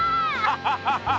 ハハハハ！